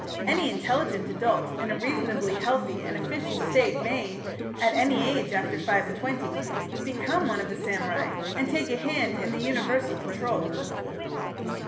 Any intelligent adult in a reasonably healthy and efficient state may, at any age after five and twenty, become one of the samurai, and take a hand in the universal control."